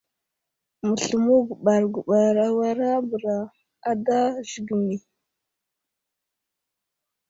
Məsləmo guɓar guɓar awara bəra ada zəgəmi.